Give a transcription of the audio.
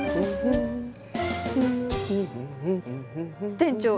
店長